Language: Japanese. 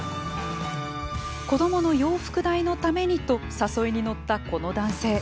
子どもの洋服代のためにと誘いに乗ったこの男性。